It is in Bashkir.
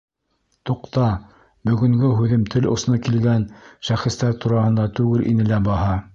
Туҡта, бөгөнгө һүҙем тел осона килгән шәхестәр тураһында түгел ине лә баһа!